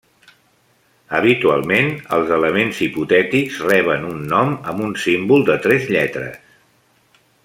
Habitualment, els elements hipotètics reben un nom amb un símbol de tres lletres.